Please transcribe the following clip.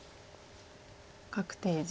確定地。